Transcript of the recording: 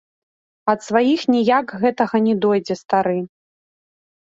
Ад сваіх ніяк гэтага не дойдзе стары.